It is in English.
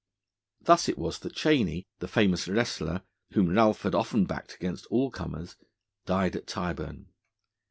Thus it was that Cheney, the famous wrestler, whom Ralph had often backed against all comers, died at Tyburn.